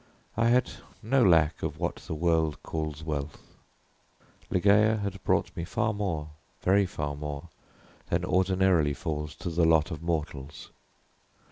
I had no lack of what the world calls wealth. Ligeia had brought me far more, very far more, than ordinarily falls to the lot of mortals.